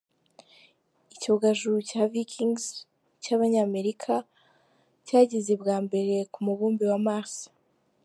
Icyogajuru cya Vikings cy’abanyamerika cyageze bwa mbere ku mubumbe wa Mars.